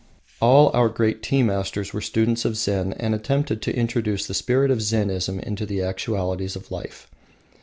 All our great tea masters were students of Zen and attempted to introduce the spirit of Zennism into the actualities of life.